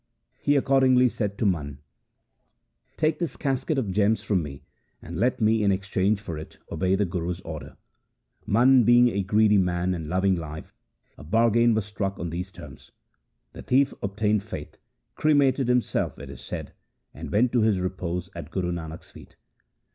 He accordingly said to Mana, ' Take this casket of gems from me, and let me in exchange for it obey the Guru's order.' Mana being a greedy man and loving life, a bargain was struck on these terms. The thief obtained faith, cre mated himself, it is said, and went to his repose at Guru Nanak's feet.